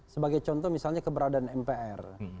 sebagai contoh misalnya keberadaan mpr